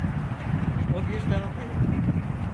O bir dahi.